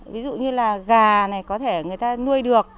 ví dụ như là gà này có thể người ta nuôi được